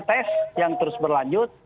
tes yang terus berlanjut